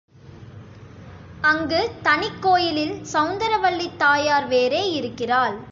அங்கு தனிக்கோயிலில் சௌந்தரவல்லித் தாயார் வேறே இருக்கிறாள்.